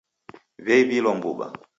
W'eiw'ilwa mbuw'a .